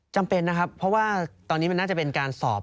จำเป็นนะครับเพราะว่าตอนนี้มันน่าจะเป็นการสอบ